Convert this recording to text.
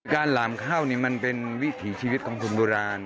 หลามเข้ามันเป็นวิถีชีวิตของคนโบราณ